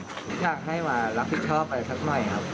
อยากให้มารับผิดชอบอะไรสักหน่อยครับ